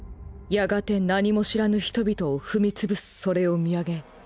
やがて何も知らぬ人々を踏み潰すそれを見上げ